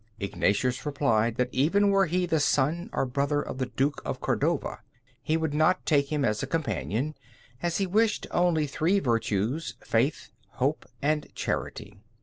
Ignatius replied that even were he the son or brother of the Duke of Cordova, he would not take him as a companion, as he wished only three virtues, Faith, Hope, and Charity.